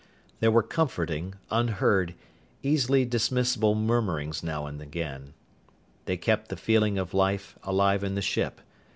There were comforting, unheard, easily dismissable murmurings now and again. They kept the feeling of life alive in the ship.